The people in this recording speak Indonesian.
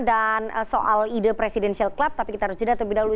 dan soal ide presidential club tapi kita harus cedera terlebih dahulu